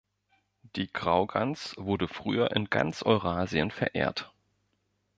Die Graugans wurde früher in ganz Eurasien verehrt.